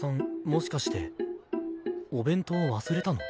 もしかしてお弁当忘れたの？